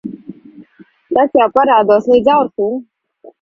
Tas jau parādos līdz ausīm.